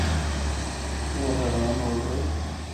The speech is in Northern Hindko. او حیران ہو گئے۔